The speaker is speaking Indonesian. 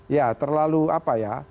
ya terlalu apa ya